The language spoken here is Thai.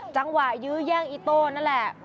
จังหวะยื้อแย่งอิโต้นั่นแหละ